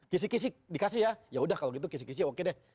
kisih kisih dikasih ya ya udah kalau gitu kisih kisih oke deh